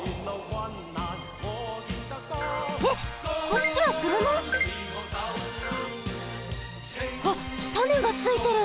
えっこっちはくるま？あっ種がついてる。